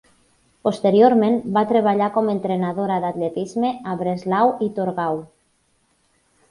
Posteriorment va treballar com entrenadora d'atletisme a Breslau i Torgau.